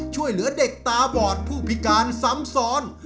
ช่วยเหลือเด็กตาบอดผู้พิการสำสรรค์